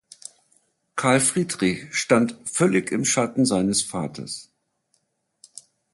Carl Friedrich stand völlig im Schatten seines Vaters.